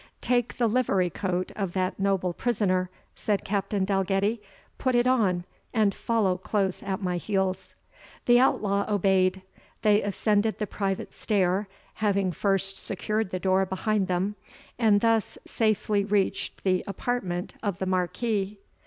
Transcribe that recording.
"Take the livery coat of that noble prisoner," said Captain Dalgetty; "put it on, and follow close at my heels." The outlaw obeyed. They ascended the private stair, having first secured the door behind them, and thus safely reached the apartment of the Marquis.